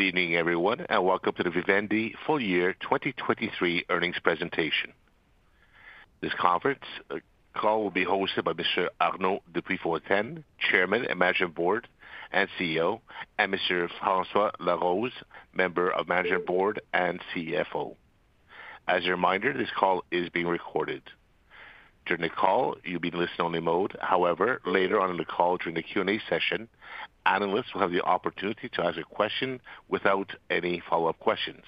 Good evening, everyone, and welcome to the Vivendi Full Year 2023 Earnings Presentation. This conference call will be hosted by Mr. Arnaud de Puyfontaine, Chairman of the Management Board and CEO, and Mr. François Laroze, Member of the Management Board and CFO. As a reminder, this call is being recorded. During the call, you'll be in listen-only mode. However, later on in the call during the Q&A session, analysts will have the opportunity to ask a question without any follow-up questions.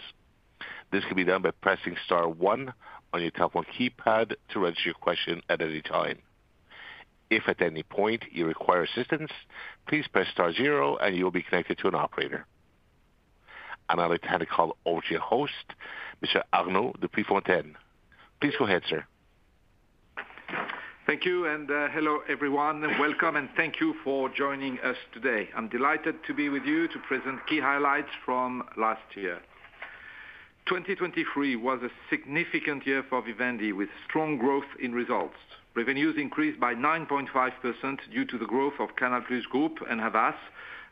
This can be done by pressing star 1 on your telephone keypad to register your question at any time. If at any point you require assistance, please press star 0 and you will be connected to an operator. I'm now going to hand the call over to your host, Mr. Arnaud de Puyfontaine. Please go ahead, sir. Thank you, and hello everyone. Welcome, and thank you for joining us today. I'm delighted to be with you to present key highlights from last year. 2023 was a significant year for Vivendi with strong growth in results. Revenues increased by 9.5% due to the growth of Canal Plus Group and Havas,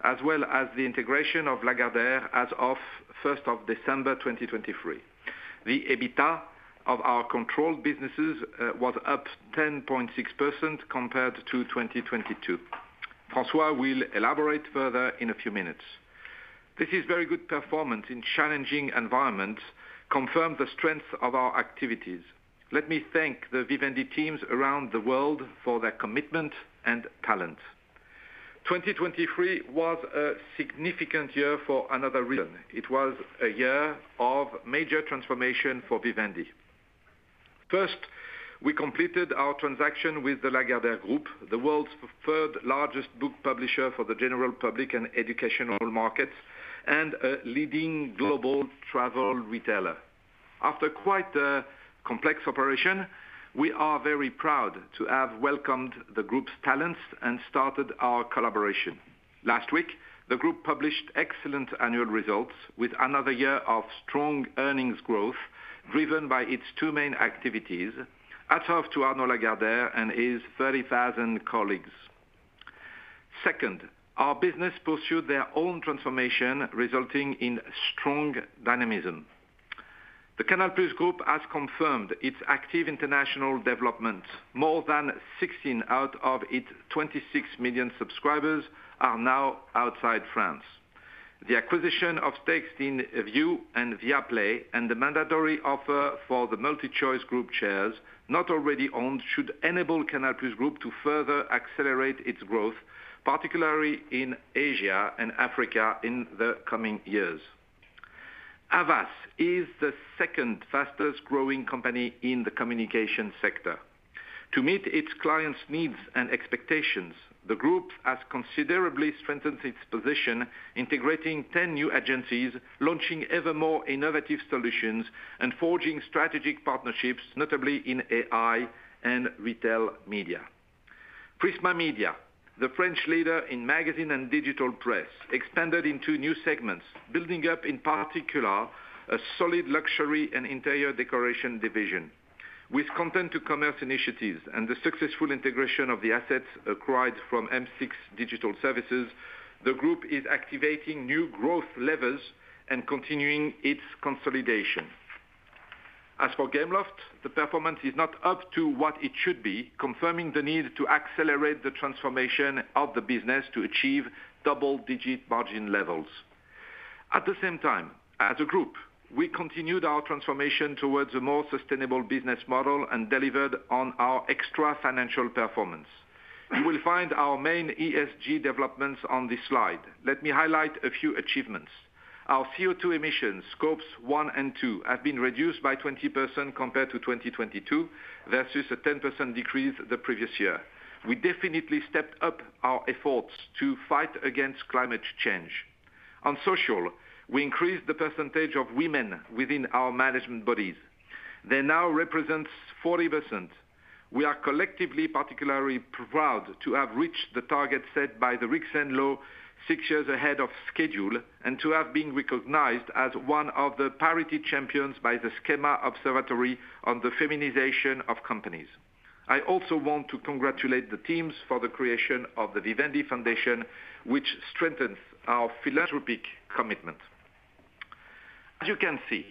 as well as the integration of Lagardère as of 1st of December 2023. The EBITDA of our controlled businesses was up 10.6% compared to 2022. François will elaborate further in a few minutes. This is very good performance in challenging environments, confirms the strength of our activities. Let me thank the Vivendi teams around the world for their commitment and talent. 2023 was a significant year for another reason. It was a year of major transformation for Vivendi. First, we completed our transaction with the Lagardère Group, the world's third largest book publisher for the general public and educational markets, and a leading global travel retailer. After quite complex operation, we are very proud to have welcomed the group's talents and started our collaboration. Last week, the group published excellent annual results with another year of strong earnings growth driven by its two main activities, a toast to Arnaud Lagardère and his 30,000 colleagues. Second, our business pursued their own transformation resulting in strong dynamism. The CANAL+ Group has confirmed its active international development. More than 16 out of its 26 million subscribers are now outside France. The acquisition of stakes in Viu and Viaplay, and the mandatory offer for the MultiChoice Group shares not already owned should enable CANAL+ Group to further accelerate its growth, particularly in Asia and Africa in the coming years. Havas is the second fastest-growing company in the communication sector. To meet its clients' needs and expectations, the group has considerably strengthened its position integrating 10 new agencies, launching ever more innovative solutions, and forging strategic partnerships, notably in AI and retail media. Prisma Media, the French leader in magazine and digital press, expanded into new segments, building up, in particular, a solid luxury and interior decoration division. With content-to-commerce initiatives and the successful integration of the assets acquired from M6 Digital Services, the group is activating new growth levers and continuing its consolidation. As for Gameloft, the performance is not up to what it should be, confirming the need to accelerate the transformation of the business to achieve double-digit margin levels. At the same time, as a group, we continued our transformation towards a more sustainable business model and delivered on our extra-financial performance. You will find our main ESG developments on this slide. Let me highlight a few achievements. Our CO2 emissions, Scope one and two, have been reduced by 20% compared to 2022, versus a 10% decrease the previous year. We definitely stepped up our efforts to fight against climate change. On social, we increased the percentage of women within our management bodies. They now represent 40%. We are collectively particularly proud to have reached the target set by the Rixain Law six years ahead of schedule, and to have been recognized as one of the parity champions by the SKEMA Observatory on the Feminization of Companies. I also want to congratulate the teams for the creation of the Vivendi Foundation, which strengthens our philanthropic commitment. As you can see,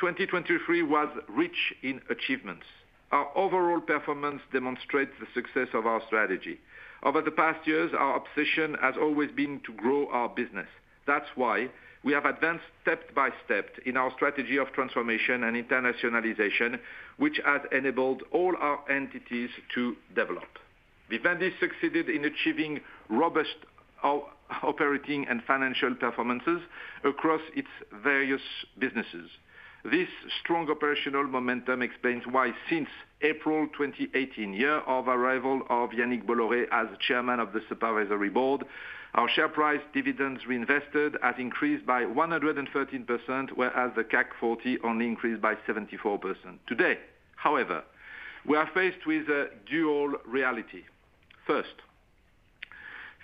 2023 was rich in achievements. Our overall performance demonstrates the success of our strategy. Over the past years, our obsession has always been to grow our business. That's why we have advanced step by step in our strategy of transformation and internationalization, which has enabled all our entities to develop. Vivendi succeeded in achieving robust, operating and financial performances across its various businesses. This strong operational momentum explains why, since April 2018, year of arrival of Yannick Bolloré as Chairman of the Supervisory Board, our share price dividends reinvested have increased by 113%, whereas the CAC 40 only increased by 74%. Today, however, we are faced with a dual reality.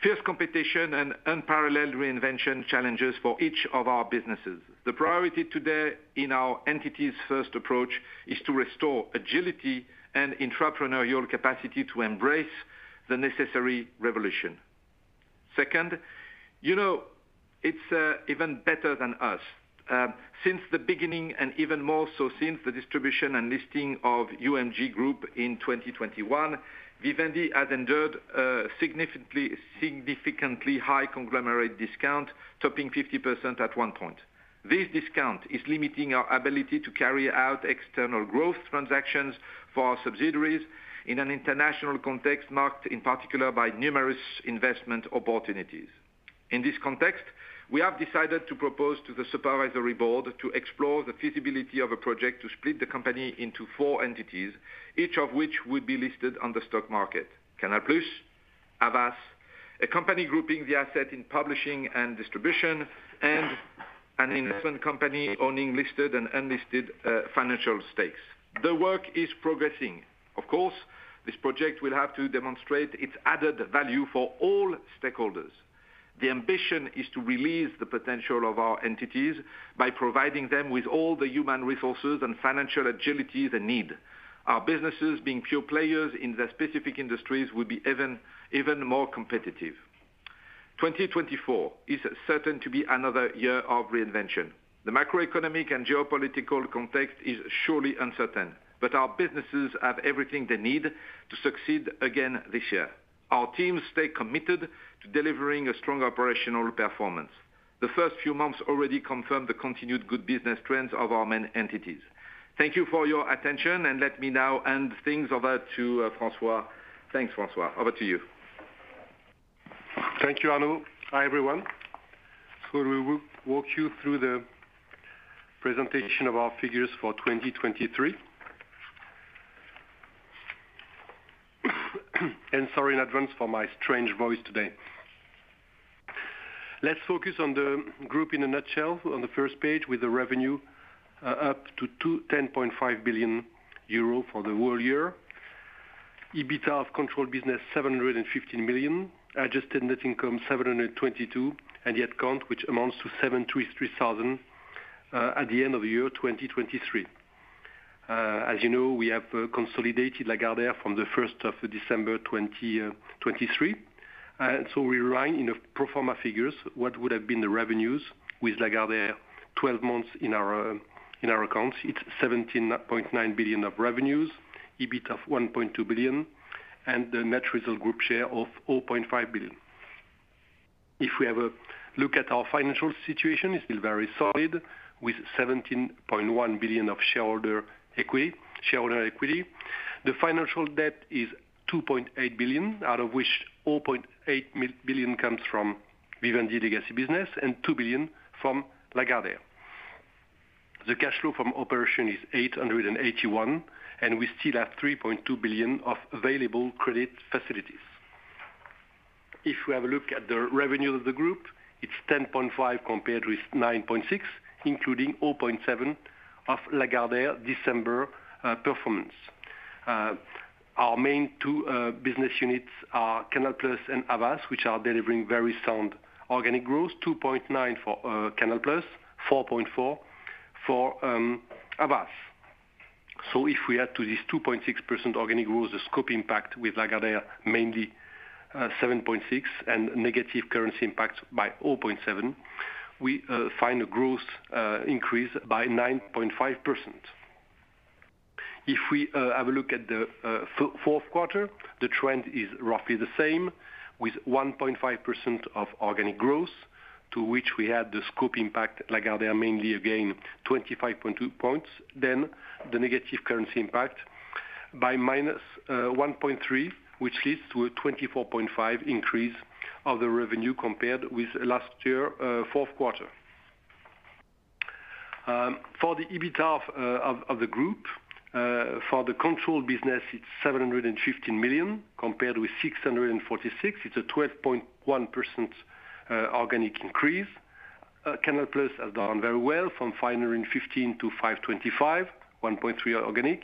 First, fierce competition and unparalleled reinvention challenges for each of our businesses. The priority today in our entity's first approach is to restore agility and entrepreneurial capacity to embrace the necessary revolution. Second, you know, it's, even better than us. Since the beginning, and even more so since the distribution and listing of UMG Group in 2021, Vivendi has endured a significantly, significantly high conglomerate discount, topping 50% at one point. This discount is limiting our ability to carry out external growth transactions for our subsidiaries in an international context marked, in particular, by numerous investment opportunities. In this context, we have decided to propose to the Supervisory Board to explore the feasibility of a project to split the company into four entities, each of which would be listed on the stock market: Canal Plus, Havas, a company grouping the asset in publishing and distribution, and an investment company owning listed and unlisted, financial stakes. The work is progressing. Of course, this project will have to demonstrate its added value for all stakeholders. The ambition is to release the potential of our entities by providing them with all the human resources and financial agilities they need. Our businesses, being pure players in their specific industries, would be even, even more competitive. 2024 is certain to be another year of reinvention. The macroeconomic and geopolitical context is surely uncertain, but our businesses have everything they need to succeed again this year. Our teams stay committed to delivering a strong operational performance. The first few months already confirmed the continued good business trends of our main entities. Thank you for your attention, and let me now hand things over to, François. Thanks, François. Over to you. Thank you, Arnaud. Hi, everyone. We will walk you through the presentation of our figures for 2023. Sorry in advance for my strange voice today. Let's focus on the group in a nutshell, on the first page, with the revenue up to 210.5 billion euro for the whole year. EBITDA of controlled business, 715 million. Adjusted net income, 722, and headcount, which amounts to 733,000, at the end of the year 2023. As you know, we have consolidated Lagardère from the 1st of December 2023. We rely on pro forma figures. What would have been the revenues with Lagardère 12 months in our, in our accounts? It's 17.9 billion of revenues, EBITDA of 1.2 billion, and the net result group share of 0.5 billion. If we have a look at our financial situation, it's still very solid, with 17.1 billion of shareholder equity, shareholder equity. The financial debt is 2.8 billion, out of which 0.8 billion comes from Vivendi Legacy Business and 2 billion from Lagardère. The cash flow from operation is 881 million, and we still have 3.2 billion of available credit facilities. If we have a look at the revenue of the group, it's 10.5 billion compared with 9.6 billion, including 0.7 billion of Lagardère December performance. Our main two business units are Canal Plus and Havas, which are delivering very sound organic growth: 2.9% for Canal Plus, 4.4% for Havas. So if we add to this 2.6% organic growth the scope impact with Lagardère mainly 7.6% and negative currency impact by -0.7%, we find a growth increase by 9.5%. If we have a look at the fourth quarter, the trend is roughly the same, with 1.5% organic growth, to which we add the scope impact Lagardère mainly, again, 25.2 points, then the negative currency impact of -1.3%, which leads to a 24.5% increase of the revenue compared with last year, fourth quarter. For the EBITDA of the group, for the controlled business, it's 715 million compared with 646 million. It's a 12.1% organic increase. Canal Plus has done very well, from 515 million to 525 million, 1.3% organic.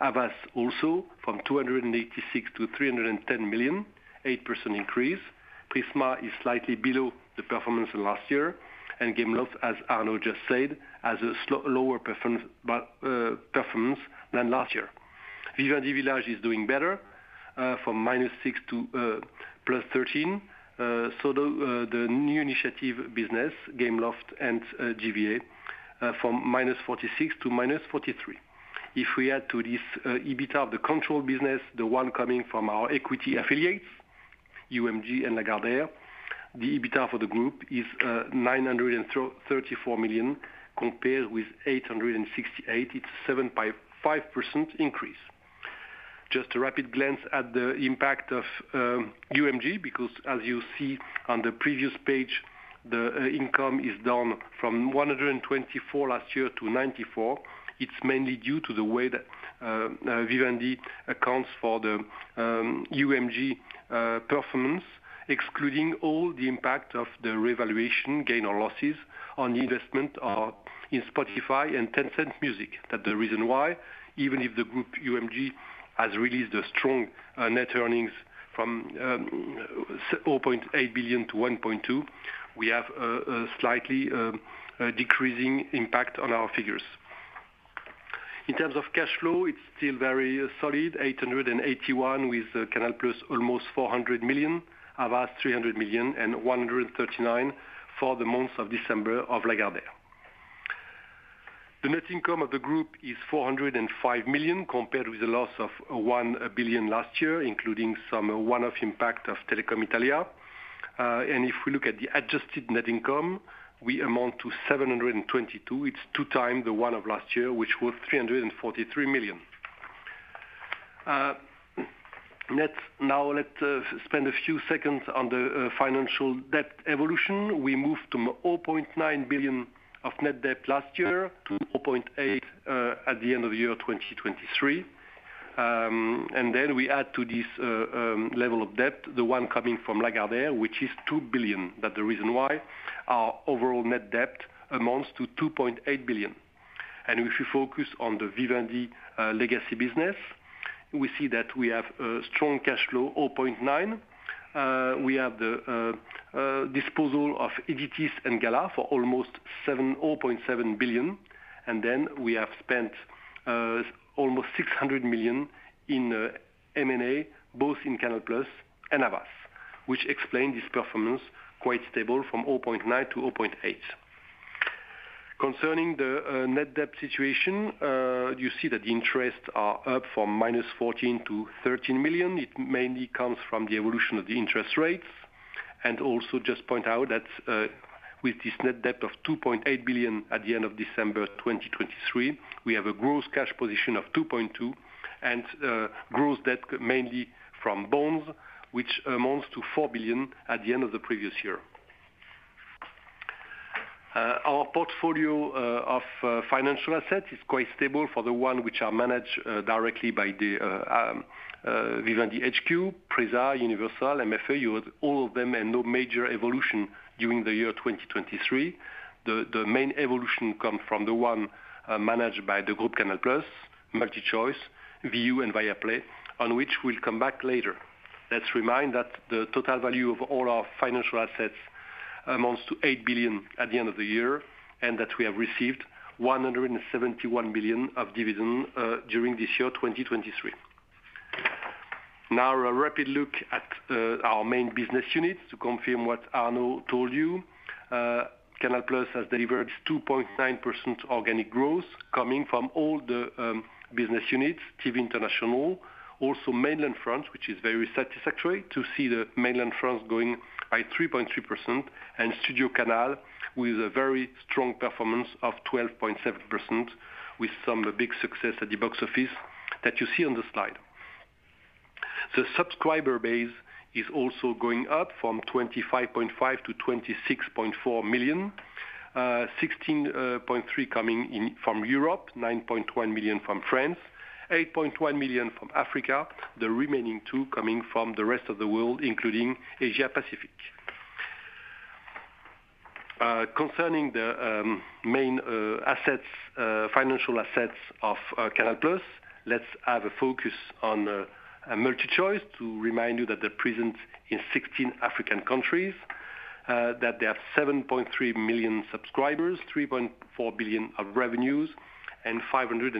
Havas also, from 286 million to 310 million, 8% increase. Prisma is slightly below the performance of last year, and Gameloft, as Arnaud just said, has a slightly lower performance than last year. Vivendi Village is doing better, from -6 million to +13 million. So the new initiatives business, Gameloft and GVA, from -46 million to -43 million. If we add to this EBITDA of the controlled business, the one coming from our equity affiliates, UMG and Lagardère, the EBITDA for the group is 934 million compared with 868 million. It's a 7.5% increase. Just a rapid glance at the impact of UMG, because, as you see on the previous page, the income is down from 124 million last year to 94 million. It's mainly due to the way that Vivendi accounts for the UMG performance, excluding all the impact of the revaluation gain or losses on the investment in Spotify and Tencent Music. That's the reason why, even if the group UMG has released a strong net earnings from 0.8 billion to 1.2 billion, we have a slightly decreasing impact on our figures. In terms of cash flow, it's still very solid, 881 million with Canal+ almost 400 million, Havas 300 million, and 139 million for the months of December of Lagardère. The net income of the group is 405 million compared with a loss of 1 billion last year, including some one-off impact of Telecom Italia. If we look at the adjusted net income, we amount to 722 million. It's two times the one of last year, which was 343 million. Let's now spend a few seconds on the financial debt evolution. We move from 0.9 billion of net debt last year to 0.8 billion at the end of the year 2023. Then we add to this level of debt the one coming from Lagardère, which is 2 billion. That's the reason why our overall net debt amounts to 2.8 billion. If we focus on the Vivendi legacy business, we see that we have strong cash flow, 0.9 billion. We have the disposal of Editis and Gala for almost 0.7 billion. And then we have spent almost 600 million in M&A, both in Canal Plus and Havas, which explains this performance quite stable from 0.9-0.8. Concerning the net debt situation, you see that the interests are up from -14 million to 13 million. It mainly comes from the evolution of the interest rates. And also just point out that with this net debt of 2.8 billion at the end of December 2023, we have a gross cash position of 2.2 billion and gross debt mainly from bonds, which amounts to 4 billion at the end of the previous year. Our portfolio of financial assets is quite stable for the ones which are managed directly by the Vivendi HQ, Prisa, Universal, MFE-MediaForEurope. You had all of them and no major evolution during the year 2023. The main evolution comes from the one managed by the group CANAL+, MultiChoice, Viu, and Viaplay, on which we'll come back later. Let's remind that the total value of all our financial assets amounts to 8 billion at the end of the year, and that we have received 171 million of dividend during this year, 2023. Now, a rapid look at our main business units to confirm what Arnaud told you. CANAL+ has delivered 2.9% organic growth coming from all the business units, TV International, also Mainland France, which is very satisfactory to see the Mainland France going by 3.3%, and StudioCanal with a very strong performance of 12.7% with some big success at the box office that you see on the slide. The subscriber base is also going up from 25.5 million-26.4 million, 16.3 coming in from Europe, 9.1 million from France, 8.1 million from Africa, the remaining two coming from the rest of the world, including Asia-Pacific. Concerning the main financial assets of CANAL+, let's have a focus on MultiChoice to remind you that they're present in 16 African countries, that they have 7.3 million subscribers, 3.4 billion of revenues, and 580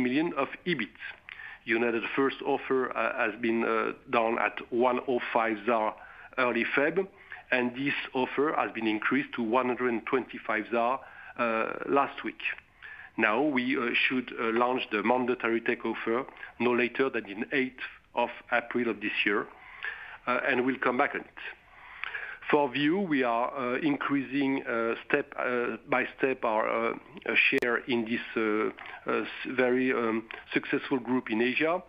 million of EBIT. Initial offer has been down at 105 ZAR early February, and this offer has been increased to 125 ZAR last week. Now, we should launch the mandatory takeover no later than the 8th of April of this year, and we'll come back on it. For Viu, we are increasing step by step our share in this very successful group in Asia.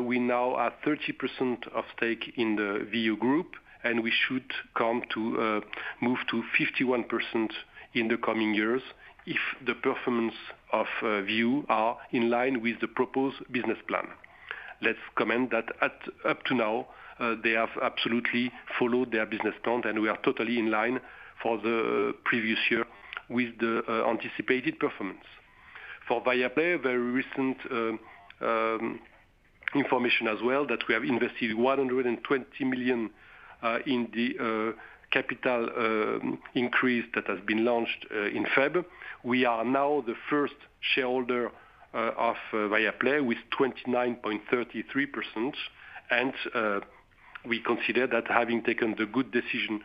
We now have 30% stake in the Viu Group, and we should come to, move to 51% in the coming years if the performance of Viu are in line with the proposed business plan. Let's comment that up to now, they have absolutely followed their business plan, and we are totally in line for the previous year with the anticipated performance. For Viaplay, very recent information as well that we have invested 120 million in the capital increase that has been launched in February. We are now the first shareholder of Viaplay with 29.33%. And we consider that having taken the good decision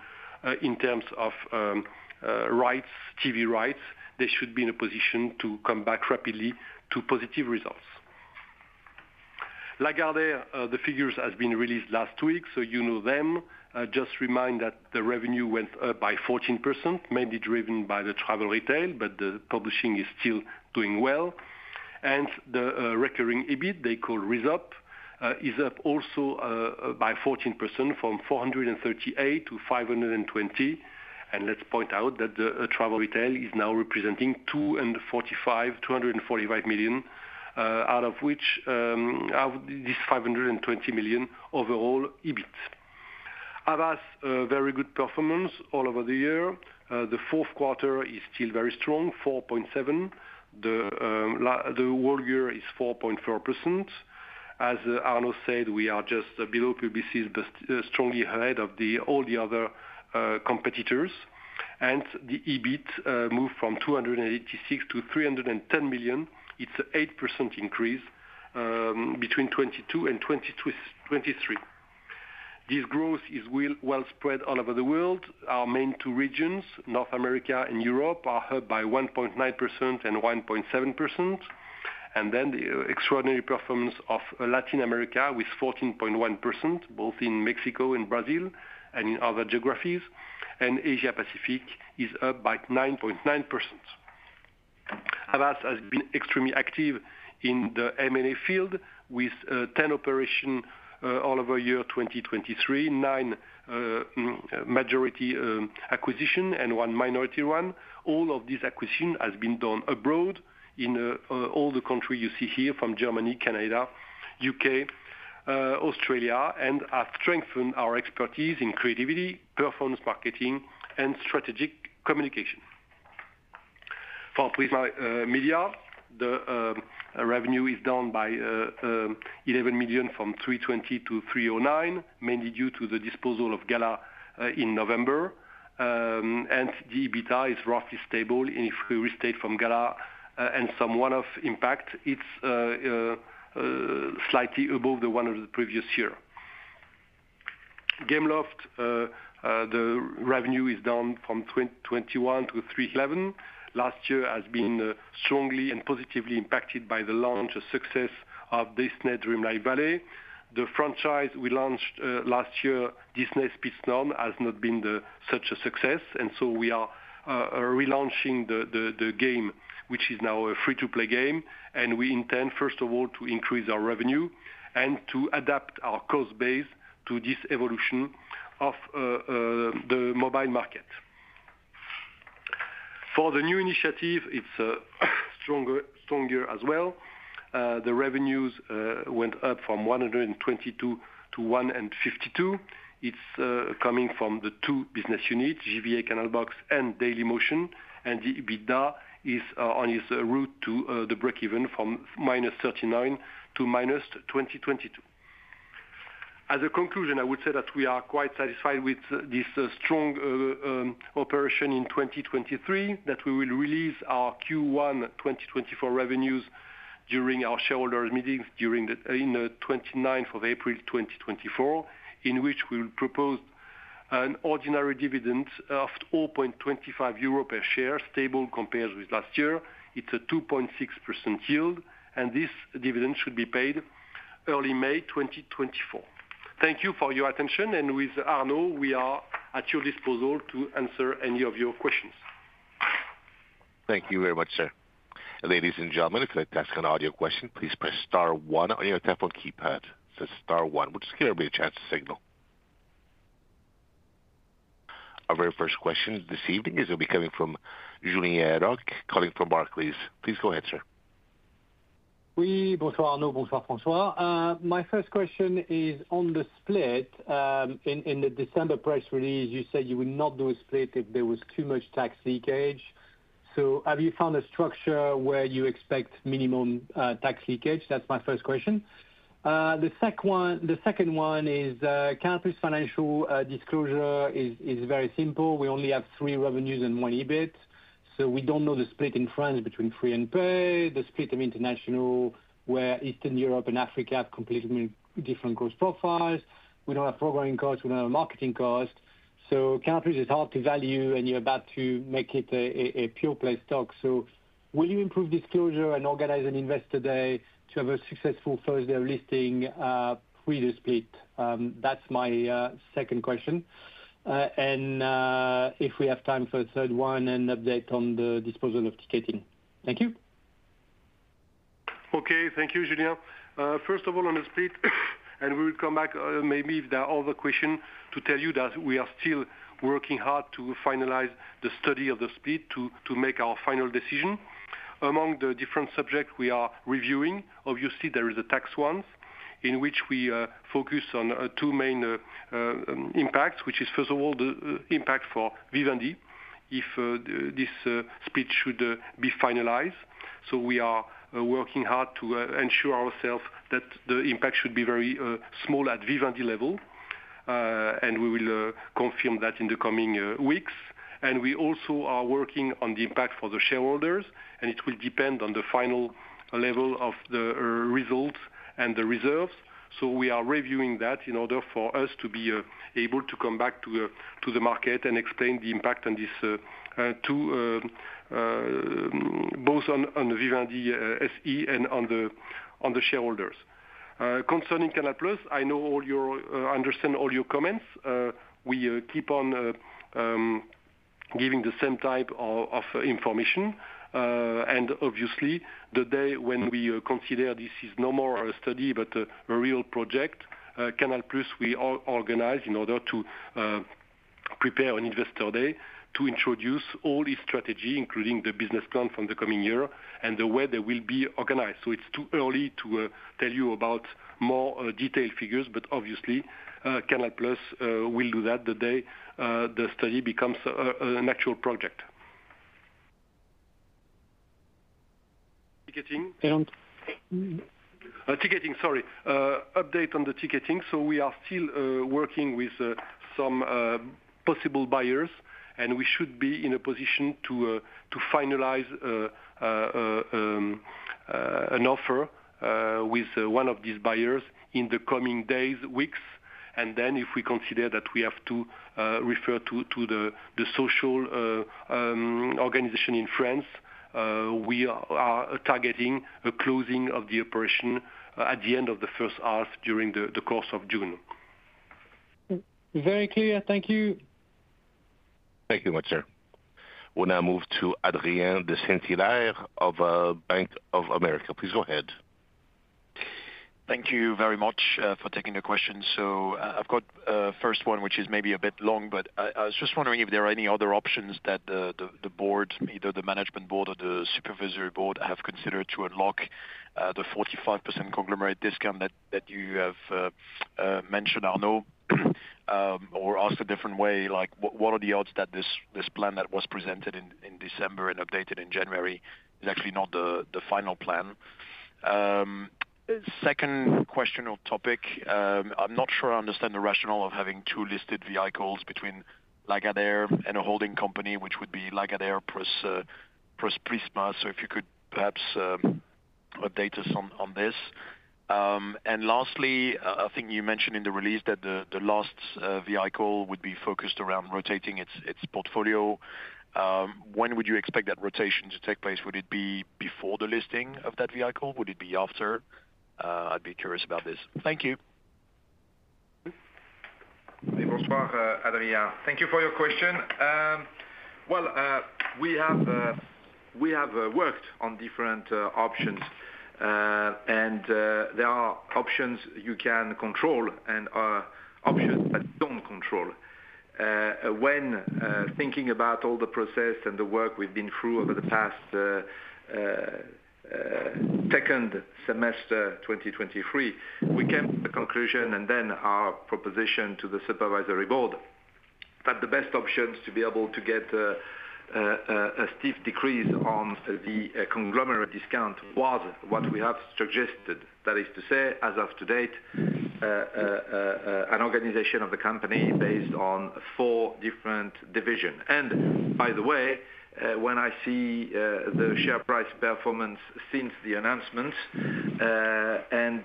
in terms of rights, TV rights, they should be in a position to come back rapidly to positive results. Lagardère, the figures have been released last week, so you know them. Just remind that the revenue went up by 14%, mainly driven by the travel retail, but the publishing is still doing well. The recurring EBIT, they call Resop, is up also, by 14% from 438 to 520. Let's point out that the travel retail is now representing 245 million, out of this 520 million overall EBITs. Havas, very good performance all over the year. The fourth quarter is still very strong, 4.7%. The whole year is 4.4%. As Arnaud said, we are just below Publicis Groupe's, but strongly ahead of all the other competitors. The EBITs moved from 286 million to 310 million. It's an 8% increase, between 2022 and 2023. This growth is well spread all over the world. Our main two regions, North America and Europe, are up by 1.9% and 1.7%. Then the extraordinary performance of Latin America with 14.1%, both in Mexico and Brazil and in other geographies. Asia-Pacific is up by 9.9%. Havas has been extremely active in the M&A field with 10 operations all over the year 2023, nine majority acquisitions and one minority one. All of these acquisitions have been done abroad in all the countries you see here, from Germany, Canada, U.K., Australia, and have strengthened our expertise in creativity, performance marketing, and strategic communication. For Prisma Media, the revenue is down by 11 million from 320 million to 309 million, mainly due to the disposal of Gala in November, and the EBITDA is roughly stable. And if we restate from Gala and some one-off impact, it's slightly above the one of the previous year. Gameloft, the revenue is down from 321 million to 311 million. Last year has been strongly and positively impacted by the launch, a success of Disney Dreamlight Valley. The franchise we launched last year, Disney Speedstorm, has not been such a success. And so we are relaunching the game, which is now a free-to-play game. And we intend, first of all, to increase our revenue and to adapt our cost base to this evolution of the mobile market. For the new initiative, it's stronger as well. Revenues went up from 122 million to 152 million. It's coming from the two business units, GVA Canal Box and Dailymotion. And the EBITDA is on its route to the breakeven from -39 million to -22 million. As a conclusion, I would say that we are quite satisfied with this strong operation in 2023, that we will release our Q1 2024 revenues during our shareholders' meetings during the in the 29th of April 2024, in which we will propose an ordinary dividend of 0.25 euro per share, stable compared with last year. It's a 2.6% yield. This dividend should be paid early May 2024. Thank you for your attention. With Arnaud, we are at your disposal to answer any of your questions. Thank you very much, sir. Ladies and gentlemen, if you'd like to ask an audio question, please press star one on your telephone keypad. It says star one, which is going to be a chance to signal. Our very first question this evening is going to be coming from Julien Roch calling from Barclays. Please go ahead, sir. Oui, bonsoir Arnaud, bonsoir François. My first question is on the split. In the December press release, you said you would not do a split if there was too much tax leakage. So have you found a structure where you expect minimum tax leakage? That's my first question. The second one is, CANAL+ financial disclosure is very simple. We only have three revenues and one EBIT. So we don't know the split in France between free and pay, the split of international where Eastern Europe and Africa have completely different gross profiles. We don't have program costs. We don't have marketing costs. So CANAL+ is hard to value, and you're about to make it a pure-play stock. So will you improve disclosure and organize an investor day to have a successful stock listing pre the split? That's my second question. And, if we have time for a third one and update on the disposal of ticketing. Thank you. Okay. Thank you, Julien. First of all, on the split, and we will come back, maybe if there are other questions, to tell you that we are still working hard to finalize the study of the split to make our final decision. Among the different subjects we are reviewing, obviously, there is a tax ones in which we focus on two main impacts, which is, first of all, the impact for Vivendi if this split should be finalized. So we are working hard to ensure ourselves that the impact should be very small at Vivendi level. And we will confirm that in the coming weeks. And we also are working on the impact for the shareholders. And it will depend on the final level of the results and the reserves. So we are reviewing that in order for us to be able to come back to the market and explain the impact on this too, both on Vivendi SE and on the shareholders. Concerning Canal+, I know you understand all your comments. We keep on giving the same type of information. And obviously, the day when we consider this is no more a study but a real project, Canal+, we organize in order to prepare an investor day to introduce all its strategy, including the business plan for the coming year and the way they will be organized. So it's too early to tell you about more detailed figures. But obviously, Canal+ will do that the day the study becomes an actual project. Ticketing? Ticketing, sorry. Update on the ticketing. So we are still working with some possible buyers. And we should be in a position to finalize an offer with one of these buyers in the coming days, weeks. And then if we consider that we have to refer to the social organization in France, we are targeting a closing of the operation at the end of the first half during the course of June. Very clear. Thank you. Thank you very much, sir. We'll now move to Adrien de Saint-Hilaire of Bank of America. Please go ahead. Thank you very much for taking your question. So, I've got first one, which is maybe a bit long, but I was just wondering if there are any other options that the board, either the management board or the supervisory board, have considered to unlock the 45% conglomerate discount that you have mentioned, Arnaud, or asked a different way. Like, what are the odds that this plan that was presented in December and updated in January is actually not the final plan? Second question or topic, I'm not sure I understand the rationale of having two listed vehicles between Lagardère and a holding company, which would be Lagardère plus Prisma. So if you could perhaps update us on this. And lastly, I think you mentioned in the release that the last vehicle would be focused around rotating its portfolio. When would you expect that rotation to take place? Would it be before the listing of that vehicle? Would it be after? I'd be curious about this. Thank you. Oui, bonsoir, Adrien. Thank you for your question. Well, we have worked on different options. And there are options you can control and options that you don't control. When thinking about all the process and the work we've been through over the past second semester 2023, we came to the conclusion and then our proposition to the supervisory board that the best options to be able to get a stiff decrease on the conglomerate discount was what we have suggested. That is to say, as of today, an organization of the company based on four different divisions. And by the way, when I see the share price performance since the announcement and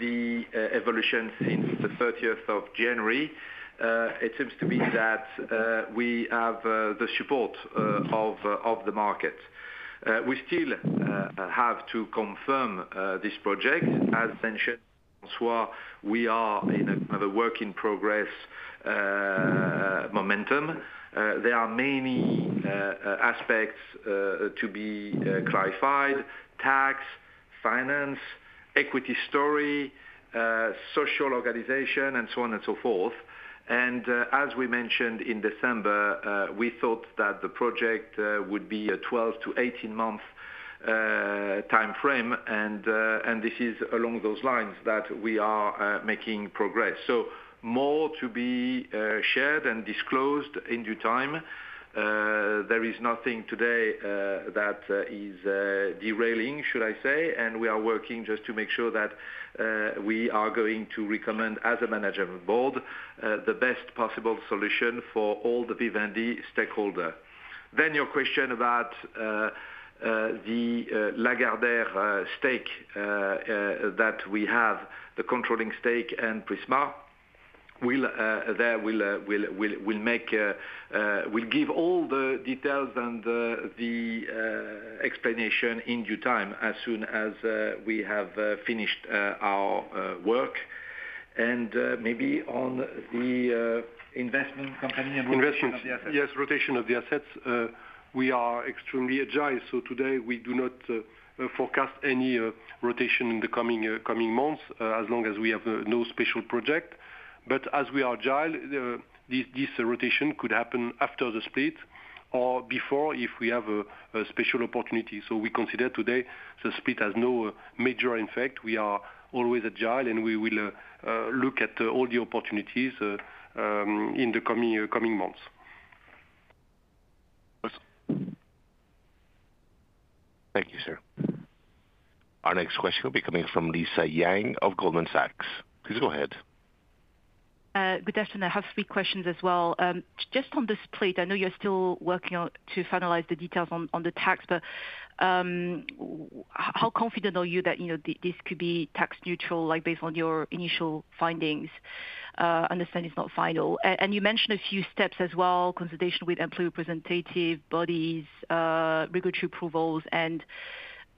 the evolution since the 30th of January, it seems to be that we have the support of the market. We still have to confirm this project. As mentioned, François, we are in a kind of a work in progress momentum. There are many aspects to be clarified: tax, finance, equity story, social organization, and so on and so forth. As we mentioned in December, we thought that the project would be a 12-18-month timeframe. And this is along those lines that we are making progress. So more to be shared and disclosed in due time. There is nothing today that is derailing, should I say. And we are working just to make sure that we are going to recommend as a management board the best possible solution for all the Vivendi stakeholders. Then your question about the Lagardère stake that we have, the controlling stake and Prisma, we'll give all the details and the explanation in due time as soon as we have finished our work. And maybe on the investment company and rotation of the assets. Investment, yes, rotation of the assets. We are extremely agile. So today, we do not forecast any rotation in the coming months, as long as we have no special project. But as we are agile, this rotation could happen after the split or before if we have a special opportunity. So we consider today the split as no major, in fact. We are always agile, and we will look at all the opportunities in the coming months. Thank you, sir. Our next question will be coming from Lisa Yang of Goldman Sachs. Please go ahead. Good afternoon. I have three questions as well. Just on the split, I know you're still working on to finalize the details on the tax, but how confident are you that, you know, this could be tax neutral, like, based on your initial findings? Understand it's not final. You mentioned a few steps as well: consultation with employee representative bodies, regulatory approvals, and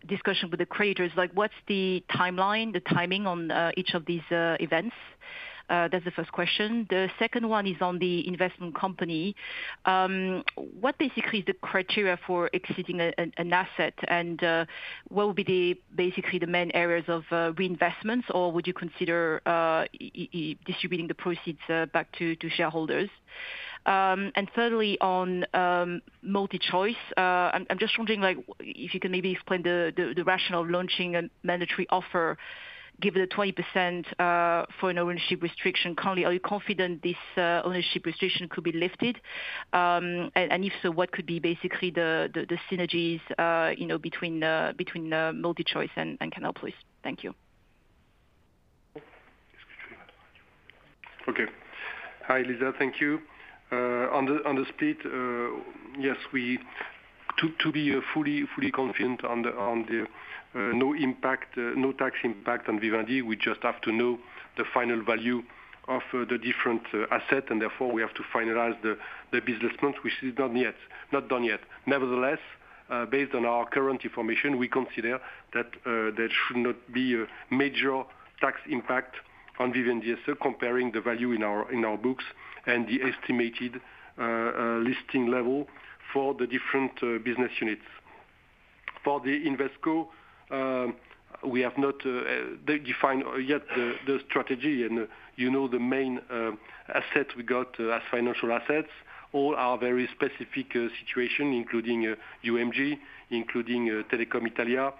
discussion with the creditors. Like, what's the timeline, the timing on each of these events? That's the first question. The second one is on the investment company. What basically is the criteria for exceeding an asset? And, what will be basically the main areas of reinvestments, or would you consider distributing the proceeds back to shareholders? And thirdly, on MultiChoice, I'm just wondering, like, if you can maybe explain the rationale of launching a mandatory offer, given the 20% ownership restriction. Currently, are you confident this ownership restriction could be lifted? And if so, what could be basically the synergies, you know, between MultiChoice and Canal+? Thank you. Okay. Hi, Lisa. Thank you. On the split, yes, we to be fully confident on the no tax impact on Vivendi. We just have to know the final value of the different assets. And therefore, we have to finalize the business plans, which is not yet done. Nevertheless, based on our current information, we consider that there should not be a major tax impact on Vivendi SE comparing the value in our books and the estimated listing level for the different business units. For the investments, we have not defined yet the strategy. And you know, the main assets we got as financial assets all are very specific situations, including UMG, including Telecom Italia,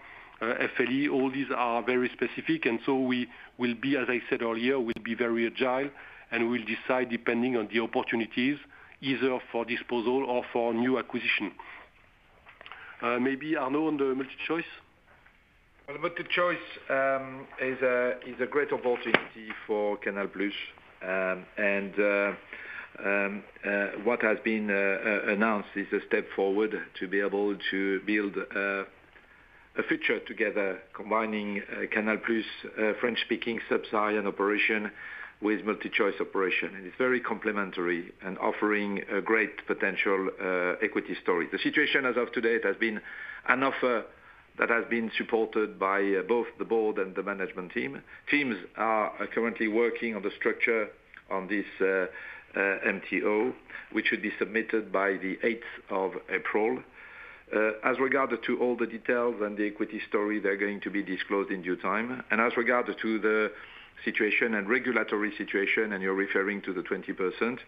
FLE. All these are very specific. And so we will be, as I said earlier, we'll be very agile, and we'll decide depending on the opportunities, either for disposal or for new acquisition. Maybe, Arnaud, on the MultiChoice? Well, MultiChoice is a great opportunity for Canal+. And what has been announced is a step forward to be able to build a future together, combining Canal+ French-speaking subsidiary and operation with MultiChoice operation. And it's very complementary and offering a great potential equity story. The situation as of today, it has been an offer that has been supported by both the board and the management team. Teams are currently working on the structure on this MTO, which should be submitted by the 8th of April. As regards all the details and the equity story, they're going to be disclosed in due time. And as regards to the situation and regulatory situation, and you're referring to the 20%,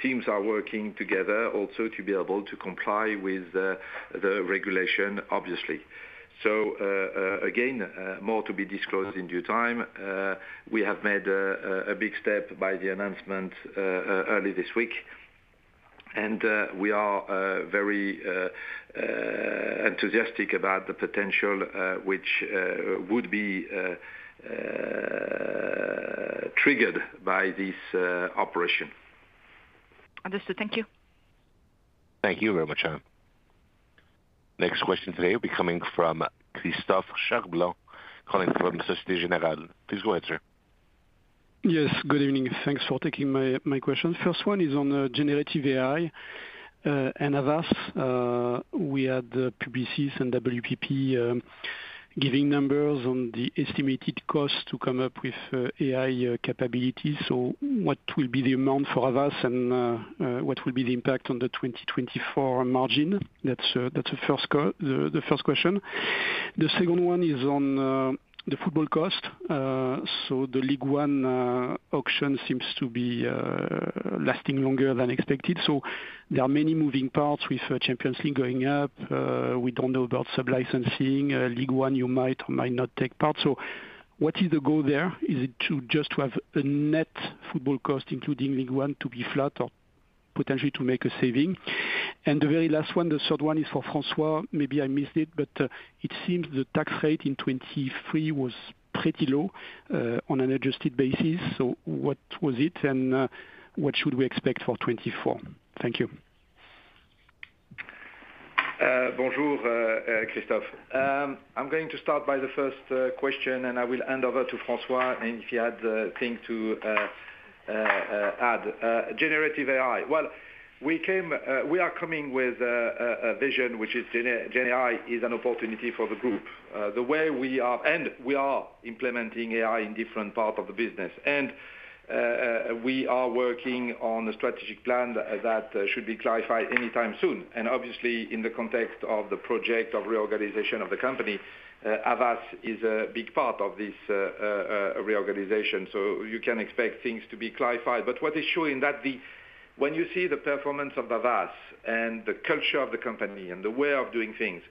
teams are working together also to be able to comply with the regulation, obviously. So, again, more to be disclosed in due time. We have made a big step by the announcement early this week. And we are very enthusiastic about the potential which would be triggered by this operation. Understood. Thank you. Thank you very much, Anne. Next question today will be coming from Christophe Cherblanc calling from Société Générale. Please go ahead, sir. Yes. Good evening. Thanks for taking my question. First one is on generative AI. And Havas, we had Publicis and WPP giving numbers on the estimated cost to come up with AI capabilities. So what will be the amount for Havas and what will be the impact on the 2024 margin? That's the first question. The second one is on the football cost. So the Ligue 1 auction seems to be lasting longer than expected. So there are many moving parts with Champions League going up. We don't know about sub-licensing. Ligue 1, you might or might not take part. So what is the goal there? Is it to just have a net football cost, including Ligue 1, to be flat or potentially to make a saving? And the very last one, the third one is for François. Maybe I missed it, but it seems the tax rate in 2023 was pretty low, on an adjusted basis. So what was it? And what should we expect for 2024? Thank you. Bonjour, Christophe. I'm going to start by the first question, and I will hand over to François. And if he had things to add. Generative AI. Well, we are coming with a vision, which is GenAI is an opportunity for the group. The way we are, and we are implementing AI in different parts of the business. We are working on a strategic plan that should be clarified anytime soon. And obviously, in the context of the project of reorganization of the company, Havas is a big part of this reorganization. So you can expect things to be clarified. But what is showing is that when you see the performance of Havas and the culture of the company and the way of doing things,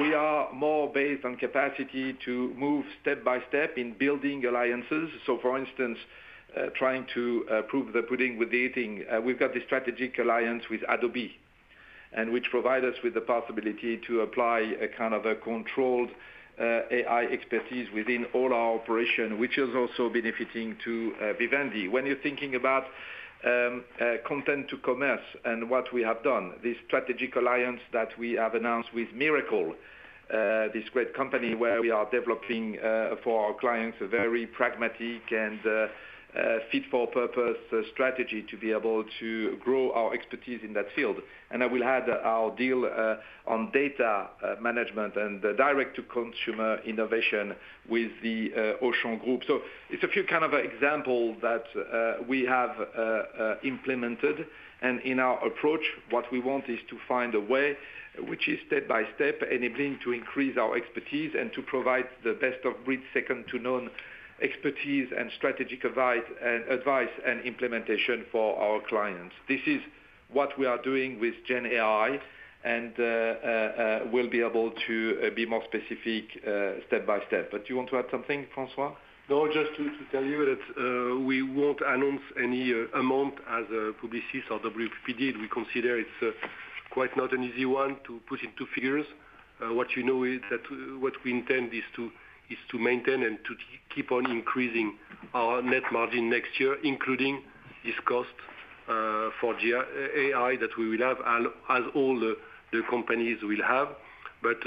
we are more based on capacity to move step by step in building alliances. So, for instance, trying to prove the pudding with the eating, we've got this strategic alliance with Adobe, and which provides us with the possibility to apply a kind of a controlled AI expertise within all our operation, which is also benefiting to Vivendi. When you're thinking about content to commerce and what we have done, this strategic alliance that we have announced with Mirakl, this great company where we are developing for our clients a very pragmatic and fit-for-purpose strategy to be able to grow our expertise in that field. And I will add our deal on data management and the direct-to-consumer innovation with the Auchan Group. So it's a few kind of examples that we have implemented. In our approach, what we want is to find a way, which is step by step, enabling to increase our expertise and to provide the best-of-breed second-to-none expertise and strategic advice and advice and implementation for our clients. This is what we are doing with GenAI. We'll be able to be more specific, step by step. But do you want to add something, François? No, just to tell you that, we won't announce any amount as Publicis or WPP did. We consider it's not quite an easy one to put into figures. What you know is that what we intend is to maintain and to keep on increasing our net margin next year, including this cost for GenAI that we will have as all the companies will have. But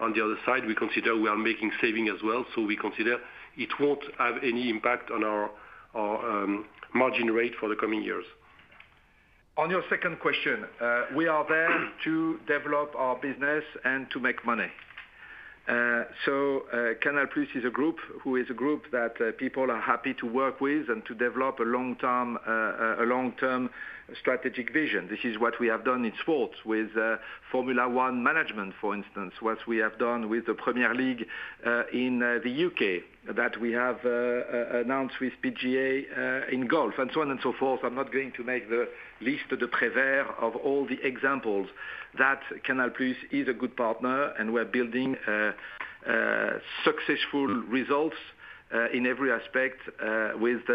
on the other side, we consider we are making savings as well. So we consider it won't have any impact on our margin rate for the coming years. On your second question, we are there to develop our business and to make money. Canal Plus is a group that people are happy to work with and to develop a long-term strategic vision. This is what we have done in sports with Formula One Management, for instance, what we have done with the Premier League in the UK that we have announced with PGA in golf and so on and so forth. I'm not going to make the liste de Prévert of all the examples that Canal Plus is a good partner, and we're building successful results in every aspect with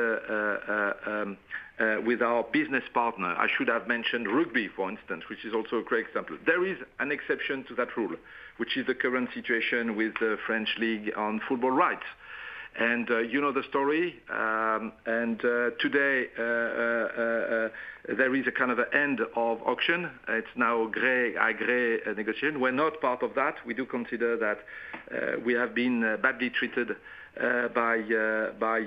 our business partner. I should have mentioned rugby, for instance, which is also a great example. There is an exception to that rule, which is the current situation with the French League on football rights. You know the story. Today, there is a kind of an end of auction. It's now a à gré à gré negotiation. We're not part of that. We do consider that we have been badly treated by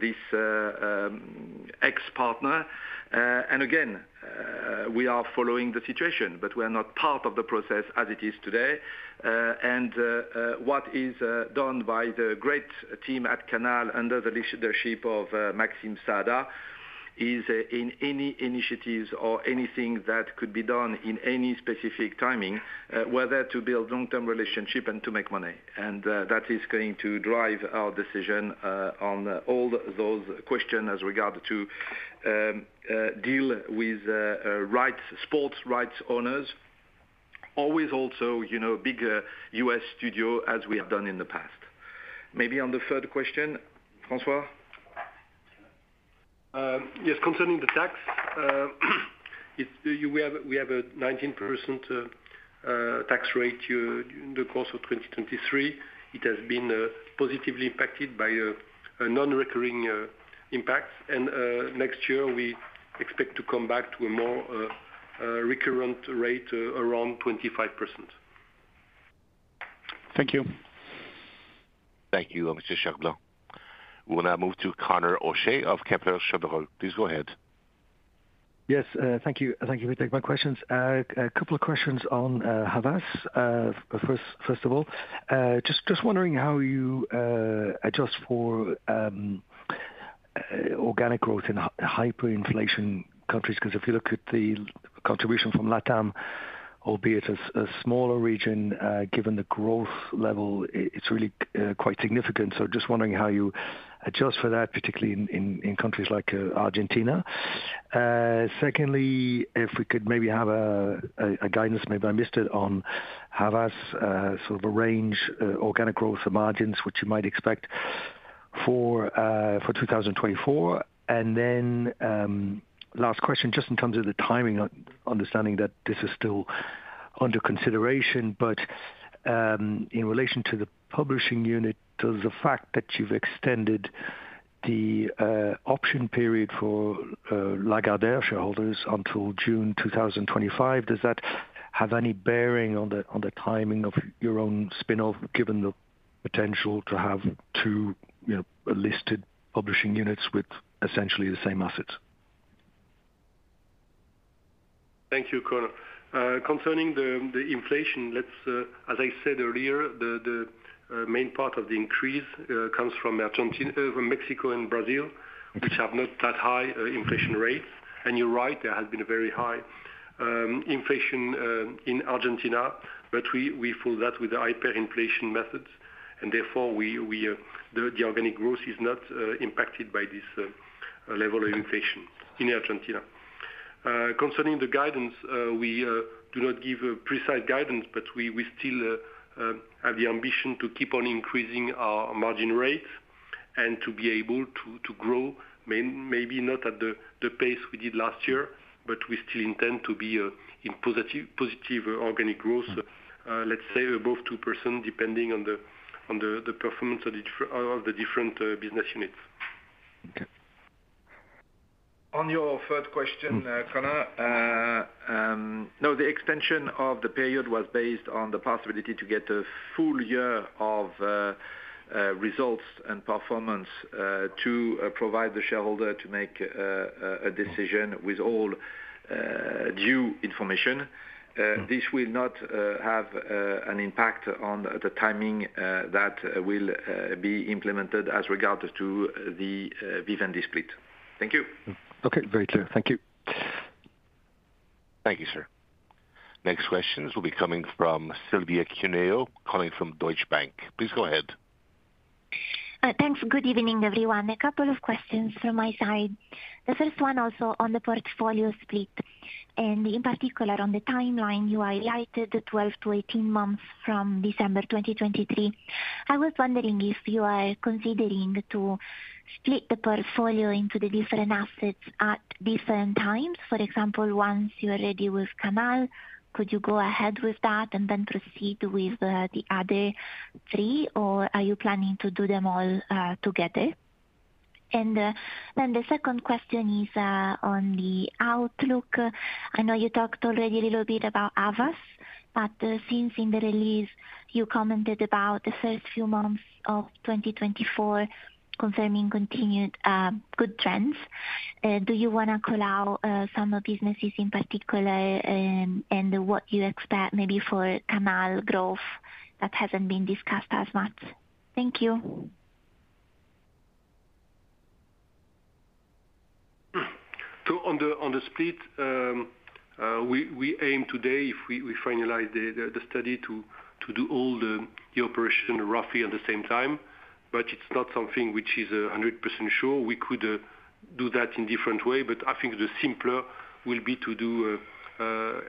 this ex-partner. Again, we are following the situation, but we are not part of the process as it is today. What is done by the great team at Canal under the leadership of Maxime Saada is in any initiatives or anything that could be done in any specific timing, whether to build long-term relationship and to make money. And that is going to drive our decision on all those questions as regard to deal with rights, sports rights owners, always also, you know, bigger US studio as we have done in the past. Maybe on the third question, François? Yes, concerning the tax, we have a 19% tax rate in the course of 2023. It has been positively impacted by non-recurring impacts. Next year, we expect to come back to a more recurrent rate around 25%. Thank you. Thank you, Mr. Cherblanc. We're going to move to Conor O'Shea of Kepler Cheuvreux. Please go ahead. Yes. Thank you. Thank you for taking my questions. A couple of questions on Havas. First of all, just wondering how you adjust for organic growth in hyperinflation countries. Because if you look at the contribution from LATAM, albeit a smaller region, given the growth level, it's really quite significant. So just wondering how you adjust for that, particularly in countries like Argentina. Secondly, if we could maybe have a guidance, maybe I missed it, on Havas, sort of a range, organic growth, the margins, which you might expect for 2024. And then, last question, just in terms of the timing, understanding that this is still under consideration. But in relation to the publishing unit, does the fact that you've extended the option period for Lagardère shareholders until June 2025, does that have any bearing on the timing of your own spin-off, given the potential to have two, you know, listed publishing units with essentially the same assets? Thank you, Conor. Concerning the inflation, let's, as I said earlier, the main part of the increase comes from Argentina, Mexico and Brazil, which have not that high inflation rates. And you're right. There has been a very high inflation in Argentina. But we fill that with the hyperinflation methods. And therefore, the organic growth is not impacted by this level of inflation in Argentina. Concerning the guidance, we do not give a precise guidance, but we still have the ambition to keep on increasing our margin rates and to be able to grow, maybe not at the pace we did last year, but we still intend to be in positive organic growth, let's say, above 2%, depending on the performance of the different business units. Okay. On your third question, Conor, no, the extension of the period was based on the possibility to get a full year of results and performance to provide the shareholder to make a decision with all due information. This will not have an impact on the timing that will be implemented as regard to the Vivendi split. Thank you. Okay. Very clear. Thank you. Thank you, sir. Next questions will be coming from Silvia Cuneo calling from Deutsche Bank. Please go ahead. Thanks. Good evening, everyone. A couple of questions from my side. The first one also on the portfolio split. In particular, on the timeline, you highlighted the 12-18 months from December 2023. I was wondering if you are considering to split the portfolio into the different assets at different times. For example, once you're ready with Canal, could you go ahead with that and then proceed with the other three? Or are you planning to do them all together? Then the second question is on the outlook. I know you talked already a little bit about Havas, but since in the release you commented about the first few months of 2024 confirming continued good trends. Do you want to call out some of businesses in particular, and what you expect maybe for Canal growth that hasn't been discussed as much? Thank you. So on the split, we aim today, if we finalize the study, to do all the operation roughly at the same time. But it's not something which is 100% sure. We could do that in different way. But I think the simpler will be to do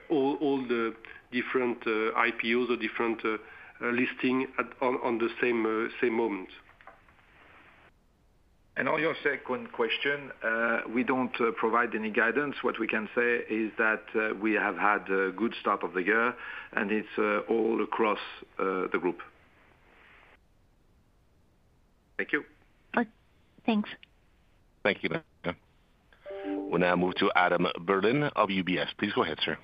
all the different IPOs or different listings on the same moment. And on your second question, we don't provide any guidance. What we can say is that we have had a good start of the year, and it's all across the group. Thank you. Thanks. Thank you, Maria. We'll now move to Adam Berlin of UBS. Please go ahead, sir.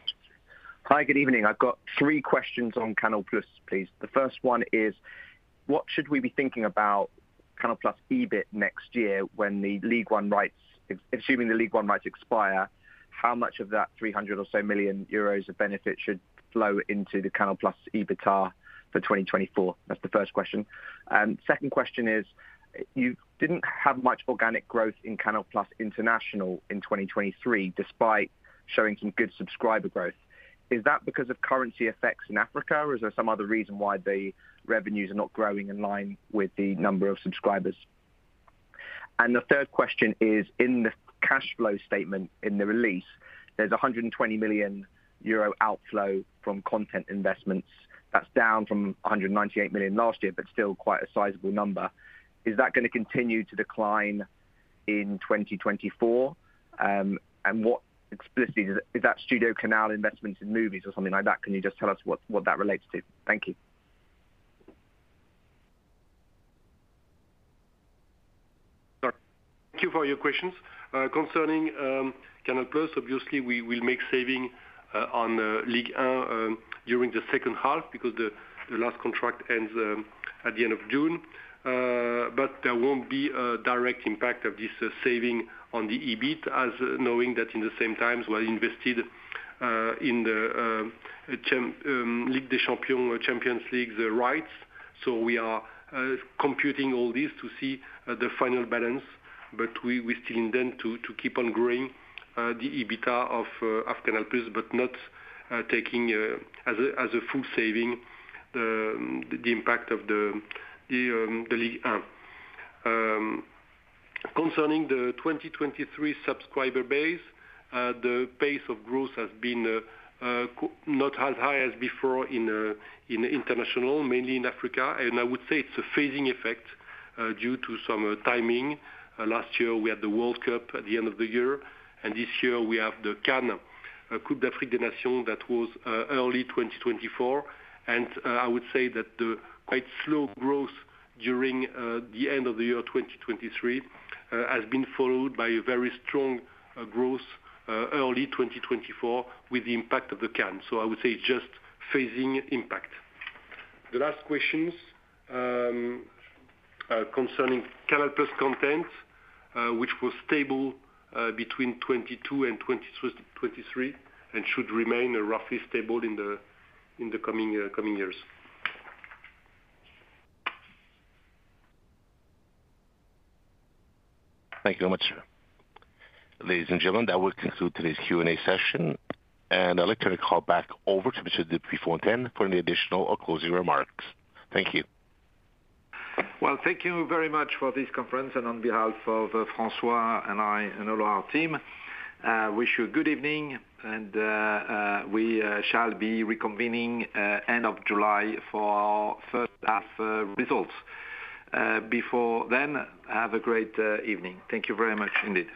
Hi. Good evening. I've got three questions on CANAL+, please. The first one is, what should we be thinking about CANAL+ EBIT next year when the Ligue 1 rights assuming the Ligue 1 rights expire, how much of that 300 million or so of benefit should flow into the CANAL+ EBITDA for 2024? That's the first question. Second question is, you didn't have much organic growth in Canal Plus International in 2023 despite showing some good subscriber growth. Is that because of currency effects in Africa, or is there some other reason why the revenues are not growing in line with the number of subscribers? And the third question is, in the cash flow statement in the release, there's 120 million euro outflow from content investments. That's down from 198 million last year but still quite a sizable number. Is that going to continue to decline in 2024? And what explicitly is that StudioCanal investments in movies or something like that? Can you just tell us what, what that relates to? Thank you. Thank you for your questions. Concerning Canal Plus, obviously, we will make savings on Ligue 1 during the second half because the last contract ends at the end of June. but there won't be a direct impact of this saving on the EBIT as knowing that in the same times, we invested in the Ligue des Champions Leagues rights. So we are computing all this to see the final balance. But we still intend to keep on growing the EBITDA of Canal Plus but not taking as a full saving the impact of the League One. Concerning the 2023 subscriber base, the pace of growth has been not as high as before in international, mainly in Africa. And I would say it's a phasing effect due to some timing. Last year, we had the World Cup at the end of the year. And this year, we have the CAN, Coupe d'Afrique des Nations that was early 2024. I would say that the quite slow growth during the end of the year 2023 has been followed by a very strong growth early 2024 with the impact of the Cannes. So I would say it's just phasing impact. The last questions concerning Canal Plus content, which was stable between 2022 and 2023 and should remain roughly stable in the coming years. Thank you very much, sir. Ladies and gentlemen, that will conclude today's Q&A session. I'd like to call back over to Mr. de Puyfontaine for any additional or closing remarks. Thank you. Well, thank you very much for this conference. On behalf of François and I and all our team, wish you a good evening. We shall be reconvening end of July for our first half results. Before then, have a great evening. Thank you very much indeed.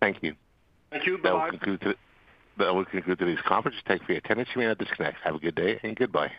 Thank you. Thank you. Bye-bye. That will conclude today's conference. Thank you for your attendance. You may now disconnect. Have a good day and goodbye.